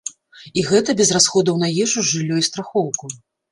І гэта без расходаў на ежу, жыллё, і страхоўку.